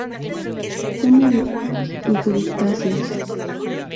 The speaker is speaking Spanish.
Come gusanos y crustáceos.